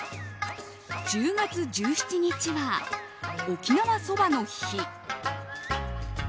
１０月１７日は沖縄そばの日。